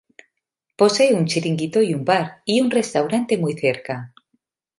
Posee un chiringuito y un bar, y un restaurante muy cerca.